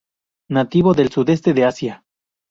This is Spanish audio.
Nativo del sudeste de Asia.